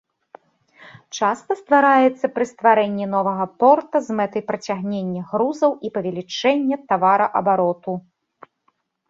Часта ствараецца пры стварэнні новага порта з мэтай прыцягнення грузаў і павелічэння тавараабароту.